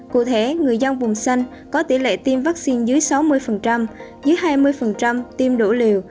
cụ thể người dân vùng xanh có tỷ lệ tiêm vaccine dưới sáu mươi dưới hai mươi tiêm đổ liều